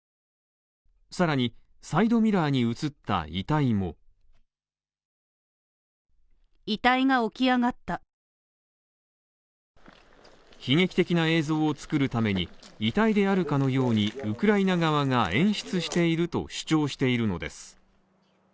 更に、サイドミラーに映った遺体も悲劇的な映像を作るために遺体であるかのようにウクライナ側が演出していると主張しているのです。